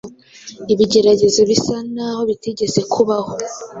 ibigeragezo bisa n’aho bitigeze kubaho